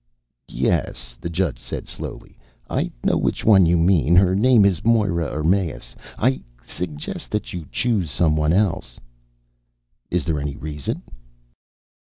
"Yes," the judge said slowly, "I know which one you mean. Her name is Moera Ermais. I suggest that you choose someone else." "Is there any reason?"